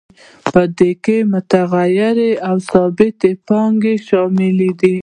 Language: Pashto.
په دې کې متغیره او ثابته پانګه شامله ده